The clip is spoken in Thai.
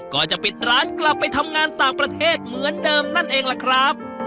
ก็จะปิดร้านกลับไปทำงานต่างประเทศเหมือนเดิมนั่นเองล่ะครับ